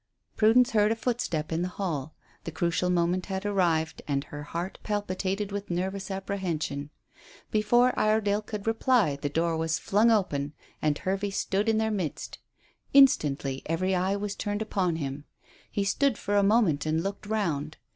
Prudence heard a footstep in the hall. The crucial moment had arrived, and her heart palpitated with nervous apprehension. Before Iredale could reply the door was flung open, and Hervey stood in their midst. Instantly every eye was turned upon him. He stood for a moment and looked round.